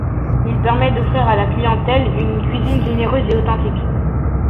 Ils permettent d'offrir à la clientèle une cuisine généreuse et authentique.